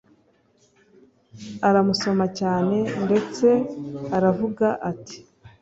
aramusoma cyane ndetse aravuga ati